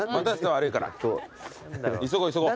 急ごう急ごう。